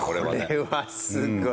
これはすごい。